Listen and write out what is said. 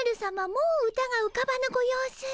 もう歌がうかばぬご様子。